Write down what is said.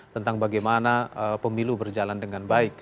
tentang bagaimana pemilu berjalan dengan baik